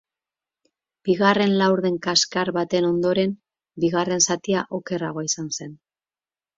Bigarren laurden kaskar baten ondoren, bigarren zatia okerragoa izan zen.